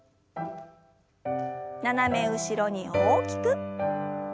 斜め後ろに大きく。